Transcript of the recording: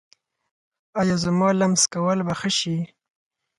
ایا زما لمس کول به ښه شي؟